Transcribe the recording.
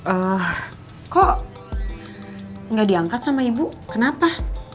eh kok gak diangkat sama ibu kenapa